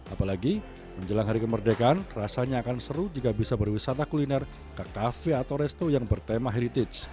apalagi menjelang hari kemerdekaan rasanya akan seru jika bisa berwisata kuliner ke kafe atau resto yang bertema heritage